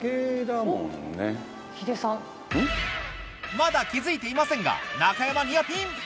まだ気付いていませんが中山ニアピン！